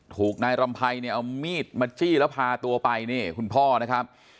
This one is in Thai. ถูกนายรำไพรเนี่ยเอามีดมาจี้แล้วพาตัวไปนี่คุณพ่อนะครับ